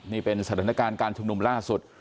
นี่เป็นสถานการณ์การชุมนุมล่าสุด